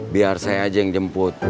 biar saya aja yang jemput